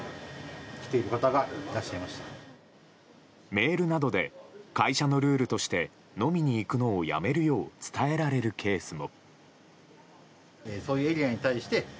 メールなどで会社のルールとして飲みに行くのをやめるよう伝えられるケースも。